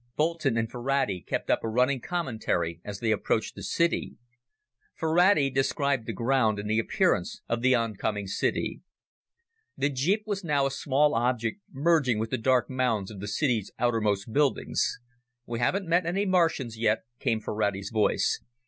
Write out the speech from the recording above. Boulton and Ferrati kept up a running commentary as they approached the city. Ferrati described the ground and the appearance of the oncoming city. The jeep was now a small object merging with the dark mounds of the city's outermost buildings. "We haven't met any Martians yet," came Ferrari's voice.